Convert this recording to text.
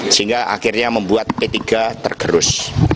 sehingga akhirnya membuat p tiga tergerus